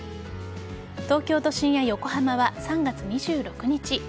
東京都心や横浜は３月２６日